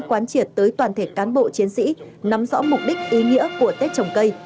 quán triệt tới toàn thể cán bộ chiến sĩ nắm rõ mục đích ý nghĩa của tết trồng cây